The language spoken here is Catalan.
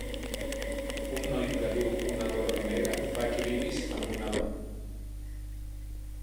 Un noi que duu una gorra negra fa equilibris amb una mà